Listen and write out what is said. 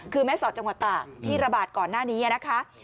คือแม่สอดจังหวัดตากที่ระบาดก่อนหน้านี้นะคะ